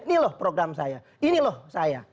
ini loh program saya ini loh saya